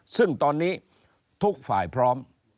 ซึ่งตอนนี้ทุกฝ่ายพร้อม